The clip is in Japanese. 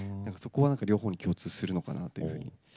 そこは両方に共通するのかなっていうふうに。